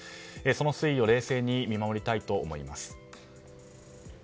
その推移を冷静に見守りたいと思います。